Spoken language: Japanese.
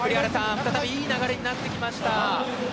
再びいい流れになってきました。